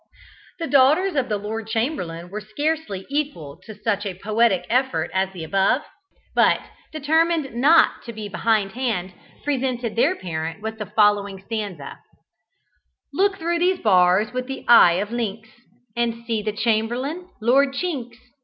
The daughters of the Lord Chamberlain were scarcely equal to such a poetic effort as the above; but, determined not to be behindhand, presented their parent with the following stanza: "Look through these bars with eye of lynx, And see the chamberlain, Lord Chinks!